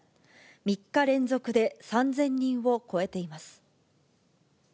３日連続で３０００人を超えています。